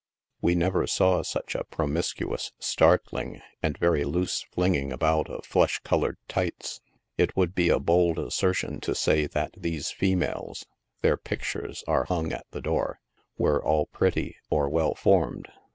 We never saw such a promiscuous, startling and very loose flinging about of flesh colored tights. It would be a bold assertion to say that these females (their pictures are hung at the door,) were all pretty or well formed.